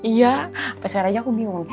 iya pas sekarang aku bingung